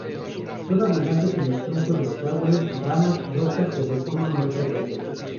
Son abundantes en los troncos de los árboles, ramas, rocas donde forman manchas verdes.